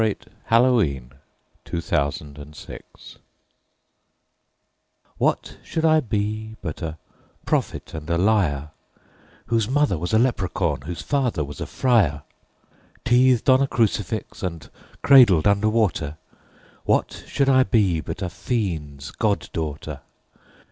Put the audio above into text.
The Singing Woman from the Wood's Edge WHAT should I be but a prophet and a liar, Whose mother was a leprechaun, whose father was a friar? Teethed on a crucifix and cradled under water, What should I be but a fiend's god daughter?